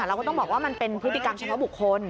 เราก็ต้องบอกว่ามันเป็นพฤติกรรมเฉพาะบุคคล